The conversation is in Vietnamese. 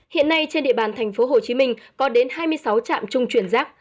hiện nay trên địa bàn tp hcm có đến hai mươi sáu trạm trung chuyển rác